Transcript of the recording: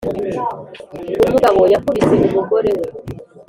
umugabo yakubise umugore we